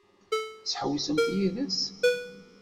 Ad tḥewwsemt yid-s?